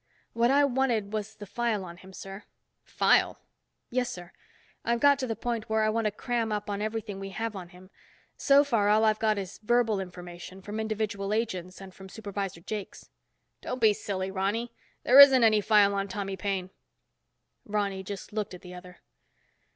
What I wanted was the file on him, sir." "File?" "Yes, sir. I've got to the point where I want to cram up on everything we have on him. So far, all I've got is verbal information from individual agents and from Supervisor Jakes." "Don't be silly, Ronny. There isn't any file on Tommy Paine." Ronny just looked at the other.